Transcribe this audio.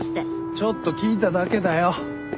ちょっと聞いただけだよ。